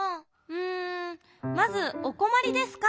うんまず「おこまりですか？」